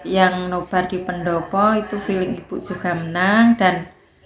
yang nobar di pendopo itu feeling ibu juga menang dan